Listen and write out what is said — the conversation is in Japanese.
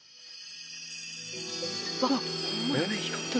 わっ！ホンマや目光ってる。